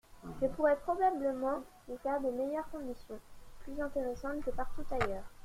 Je pourrai probablement vous faire de meilleures conditions, plus intéressantes que partout ailleurs.